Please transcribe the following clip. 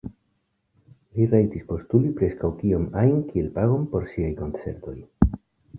Li rajtis postuli preskaŭ kiom ajn kiel pagon por siaj koncertoj.